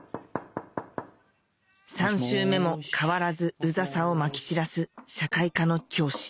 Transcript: ３周目も変わらずウザさをまき散らす社会科の教師